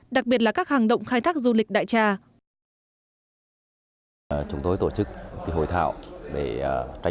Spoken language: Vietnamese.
đặc biệt là các hàng động khai thác du lịch đại trà